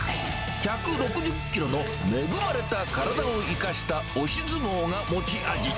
１６０キロの恵まれた体を生かした押し相撲が持ち味。